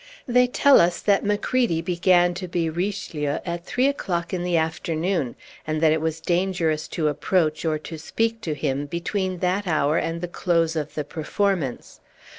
They tell us that Macready began to be Richelieu at three o'clock in the afternoon, and that it was dangerous to approach or to speak to him between that hour and the close of the performance.